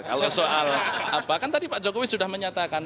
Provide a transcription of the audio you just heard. kalau soal apa kan tadi pak jokowi sudah menyatakan